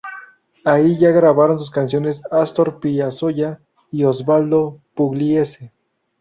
Ahí ya grabaron sus canciones Astor Piazzolla y Osvaldo Pugliese.